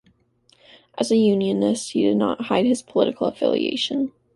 As a unionist, he did not hide his political affiliation.